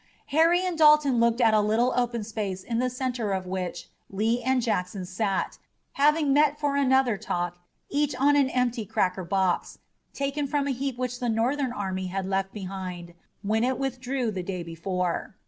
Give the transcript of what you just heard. Harry and Dalton looked at a little open space in the center of which Lee and Jackson sat, having met for another talk, each on an empty cracker box, taken from a heap which the Northern army had left behind when it withdrew the day before.